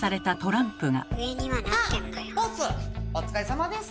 お疲れさまです。